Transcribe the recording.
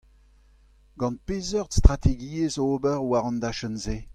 Gant peseurt strategiezh ober war an dachenn-se ?